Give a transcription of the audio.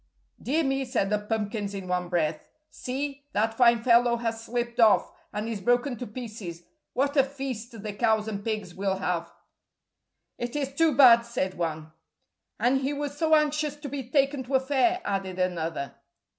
"Dear me," said the pumpkins in one breath; "see, that fine fellow has slipped off, and is broken to pieces. What a feast the cows and pigs will have." "It is too bad," said one. "And he was so anxious to be taken to a fair," added another.